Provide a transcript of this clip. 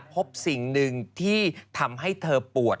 พบสิ่งหนึ่งที่ทำให้เธอปวด